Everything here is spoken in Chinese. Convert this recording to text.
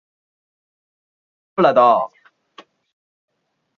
其名称来源于属于易洛魁联盟的奥农多加人。